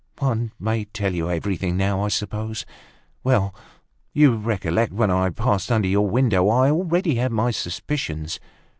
One may tell you everything now, I suppose. Well! You recollect when I passed under your window, I already had my suspicions.